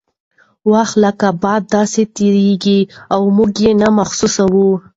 وخت لکه باد داسې تیریږي او موږ یې نه محسوسوو.